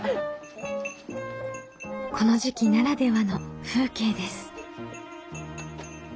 この時期ならではの風景です。